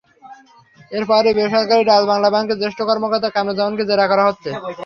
এরপরই বেসরকারি ডাচ বাংলা ব্যাংকের জ্যেষ্ঠ কর্মকর্তা কামরুজ্জামানকে জেরা করা হচ্ছে।